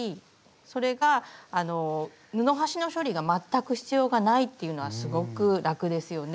それが布端の処理が全く必要がないっていうのはすごく楽ですよね。